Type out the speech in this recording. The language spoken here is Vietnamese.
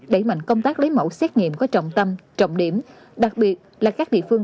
đẩy mạnh công tác lấy mẫu xét nghiệm có trọng tâm trọng điểm đặc biệt là các địa phương